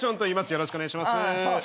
よろしくお願いします。